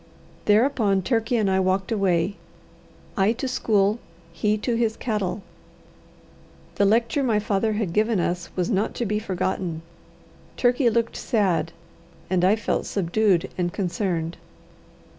Thereupon Turkey and I walked away, I to school, he to his cattle. The lecture my father had given us was not to be forgotten. Turkey looked sad, and I felt subdued and concerned.